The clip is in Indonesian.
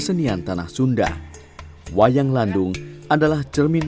ter grandparents yang proses ad rotating